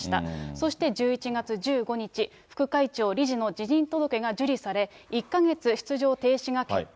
そして１１月１５日、副会長・理事の辞任届が受理され、１か月出場停止が決定。